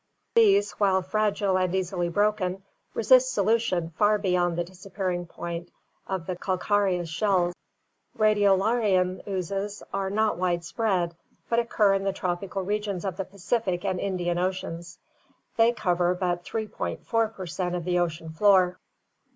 These, while fragile and easily broken, resist solution far beyond the disappearing point of the calcareous shells. Radiolarian oozes are not widespread, but occur in the tropical regions of the Pacific and Indian oceans. They cover but 3.4 per cent of the ocean floor.